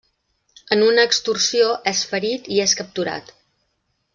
En una extorsió, és ferit i és capturat.